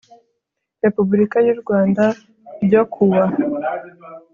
Repubulika y u Rwanda ryo ku wa